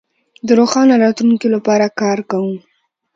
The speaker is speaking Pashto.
د روښانه راتلونکي لپاره کار کوو.